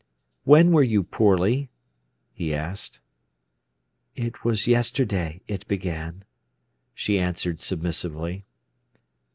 "When were you poorly?" he asked. "It was yesterday it began," she answered submissively.